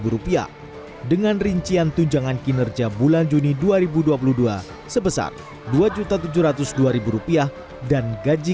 empat lima tiga rupiah dengan rincian tunjangan kinerja bulan juni dua ribu dua puluh dua sebesar dua tujuh dua rupiah dan gaji